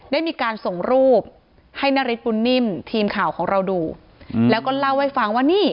ได้มีการส่งรูปให้นาริสบุญนิ่มทีมข่าวของเราดูแล้วก็เล่าให้ฟังว่านี่